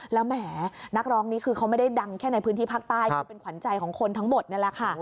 แล้วแหมนักร้องนี้คือเขาไม่ได้ดังแค่ในพื้นที่ภาคใต้คือเป็นขวัญใจของคนทั้งหมดนี่แหละค่ะ